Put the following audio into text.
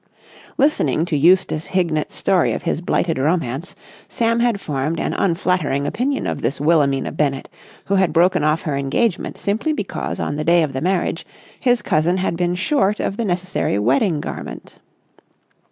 Listening to Eustace Hignett's story of his blighted romance, Sam had formed an unflattering opinion of this Wilhelmina Bennett who had broken off her engagement simply because on the day of the marriage his cousin had been short of the necessary wedding garment.